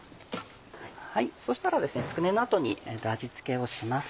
そしたらつくねの後に味付けをします。